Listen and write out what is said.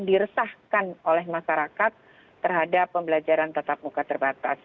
diresahkan oleh masyarakat terhadap pembelajaran tetap muka terbatas